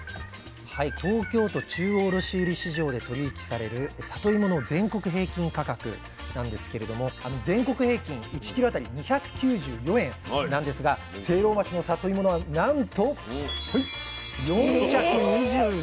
東京都中央卸売市場で取り引きされるさといもの全国平均価格なんですけれども全国平均１キロ当たり２９４円なんですが聖籠町のさといもはなんと４２７円ということで。